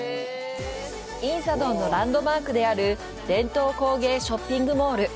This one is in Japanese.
仁寺洞のランドマークである伝統工芸ショッピングモール。